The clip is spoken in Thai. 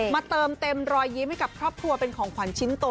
เติมเต็มรอยยิ้มให้กับครอบครัวเป็นของขวัญชิ้นโต